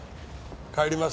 帰ります